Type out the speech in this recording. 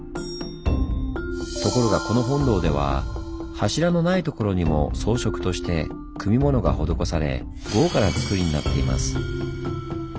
ところがこの本堂では柱のない所にも装飾として組物が施され豪華なつくりになっています。